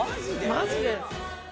マジで？